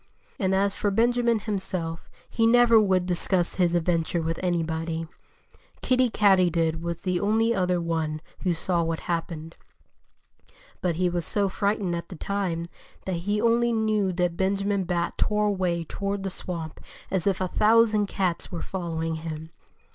And as for Benjamin himself, he never would discuss his adventure with anybody. Kiddie Katydid was the only other one who saw what happened. But he was so frightened at the time that he only knew that Benjamin Bat tore away toward the swamp as if a thousand cats were following him.